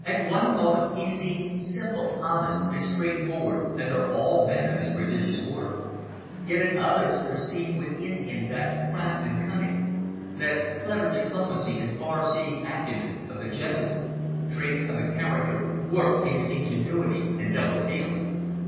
At one moment he seemed simple, honest and straightforward as are all men of his religious order, yet at others there seemed within him that craft and cunning, that clever diplomacy and far seeing acumen of the Jesuit, traits of a character warped into ingenuity and double dealing.